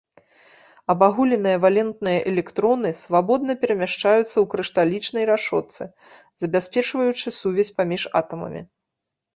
Абагуленыя валентныя электроны свабодна перамяшчаюцца ў крышталічнай рашотцы, забяспечваючы сувязь паміж атамамі.